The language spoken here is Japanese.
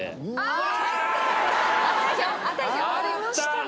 ありましたね！